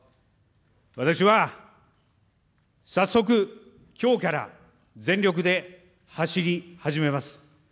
私は早速、きょうから全力で走り始めます。